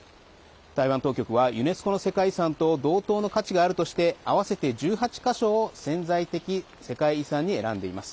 台湾当局はユネスコの世界遺産と同等の価値があるとして合わせて１８か所を潜在的世界遺産に選んでいます。